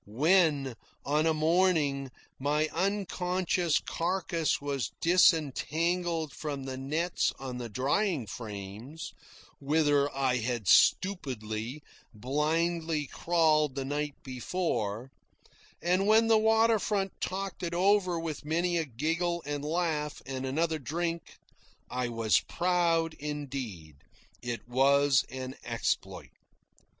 When, on a morning, my unconscious carcass was disentangled from the nets on the drying frames, whither I had stupidly, blindly crawled the night before; and when the water front talked it over with many a giggle and laugh and another drink, I was proud indeed. It was an exploit.